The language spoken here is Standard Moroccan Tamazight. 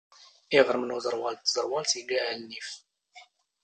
ⵉⵖⵔⵎ ⵏ ⵓⵥⵔⵡⴰⵍ ⴷ ⵜⵥⵔⵡⴰⵍⵜ ⵉⴳⴰ ⴰⵍⵏⵉⴼ.